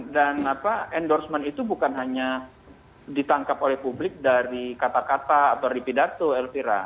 endorsement itu bukan hanya ditangkap oleh publik dari kata kata atau di pidato elvira